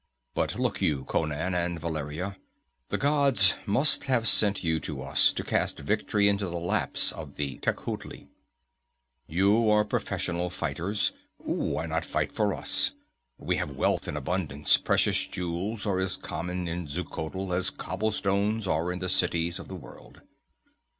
"But look you, Conan and Valeria, the gods must have sent you to us, to cast victory into the laps of the Tecuhltli! You are professional fighters why not fight for us? We have wealth in abundance precious jewels are as common in Xuchotl as cobblestones are in the cities of the world.